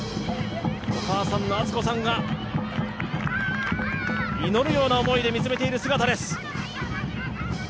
お母さんの敦子さんが祈るような思いで見つめている姿です。